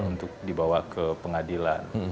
untuk dibawa ke pengadilan